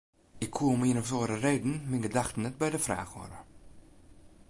Ik koe om ien of oare reden myn gedachten net by de fraach hâlde.